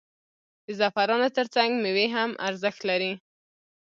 د زعفرانو ترڅنګ میوې هم ارزښت لري.